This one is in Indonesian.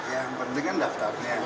yang penting kan daftarnya